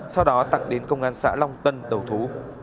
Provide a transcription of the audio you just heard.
sau đó tặng đến công an xã long tân đầu thú